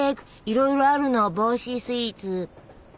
いろいろあるの帽子スイーツ。